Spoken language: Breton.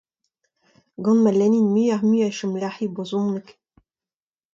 Gant ma lennint muiocʼh-mui a chomlecʼhioù brezhonek !